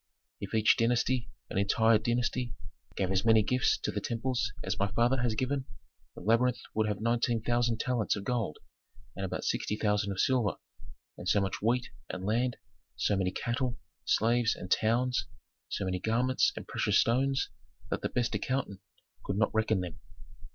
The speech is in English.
"If each dynasty, an entire dynasty, gave as many gifts to temples as my father has given, the labyrinth would have nineteen thousand talents of gold, about sixty thousand of silver, and so much wheat, and land, so many cattle, slaves, and towns, so many garments and precious stones, that the best accountant could not reckon them."